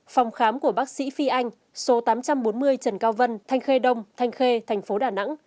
phòng khám của bác sĩ phi anh số tám trăm bốn mươi trần cao vân thanh khê đông thanh khê thành phố đà nẵng